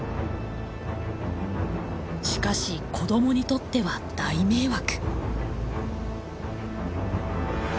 しかし子どもにとっては大迷惑。